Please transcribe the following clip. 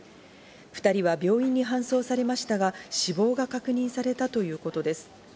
２人は病院に搬送されましたが死亡が確認されたということです。